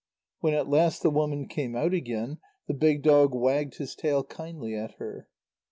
When at last the woman came out again, the big dog wagged his tail kindly at her.